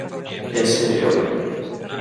Ese é o camiño.